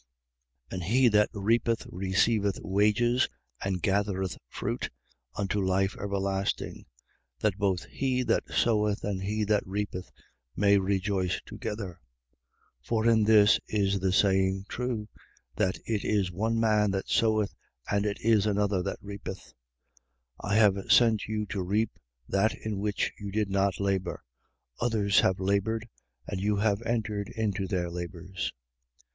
4:36. And he that reapeth receiveth wages and gathereth fruit unto life everlasting: that both he that soweth and he that reapeth may rejoice together. 4:37. For in this is the saying true: That it is one man that soweth, and it is another that reapeth. 4:38. I have sent you to reap that in which you did not labour. Others have laboured: and you have entered into their labours.